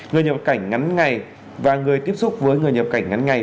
người nhập cảnh ngắn ngày và người tiếp xúc với người nhập cảnh ngắn ngày